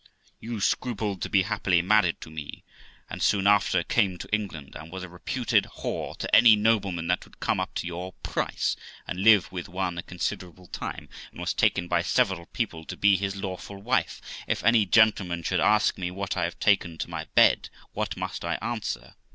You scrupled to be happily married to me, and soon after came to England, and was a reputed whore to any nobleman that would come up to your price, and lived with one a 412 THE LIFE OF ROXANA considerable time, and was taken by several people to be his lawful wife. If any gentleman should ask me what I have taken to my bed, what must I answer?